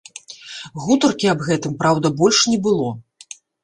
Гутаркі аб гэтым, праўда, больш не было.